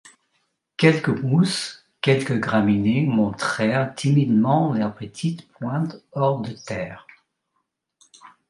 Quelques mousses, quelques graminées montrèrent timidement leurs petites pointes hors de terre.